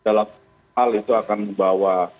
dalam hal itu akan membawa